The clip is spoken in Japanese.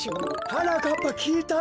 はなかっぱきいたぞ。